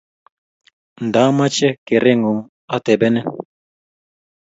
Nda mache keree ng'ung' atebenin.